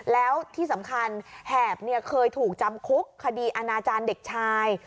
แล้วที่สำคัญแหบเคยถูกจำคุกคดีอาณาจารย์เด็กชาย